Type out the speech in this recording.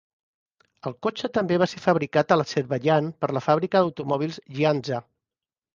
El cotxe també va ser fabricat a l'Azerbaidjan per la fàbrica d'automòbils Gyandzha.